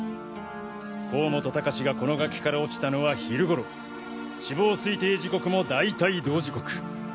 甲本高士がこの崖から落ちたのは昼頃死亡推定時刻もだいたい同時刻。